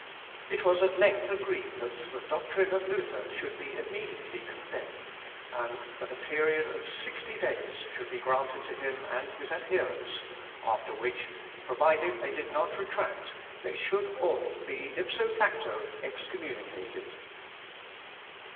It was at length agreed that the doctrine of Luther should be immediately condemned, and that a period of sixty days should be granted to him and his adherents; after which, provided they did not retract, they should all be, ipso facto, excommunicated.